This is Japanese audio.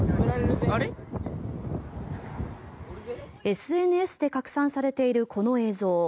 ＳＮＳで拡散されているこの映像。